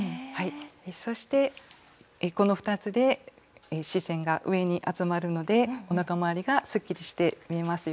そしてこの２つで視線が上に集まるのでおなかまわりがすっきりして見えますよ。